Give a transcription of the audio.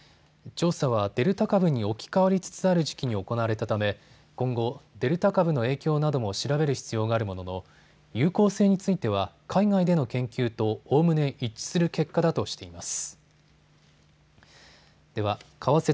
調査はデルタ株に置き換わりつつある時期に行われたため今後、デルタ株の影響なども調べる必要があるものの有効性については海外での研究とおおむね一致する結果だとしています。